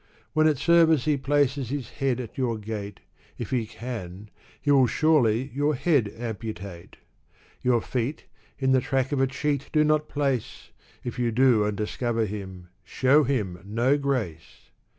When at service he places his head at your gate, If he can, he will surely your head amputate ! Your feet, in the track of a cheat do not place [ If you do, and discover him, show him no grace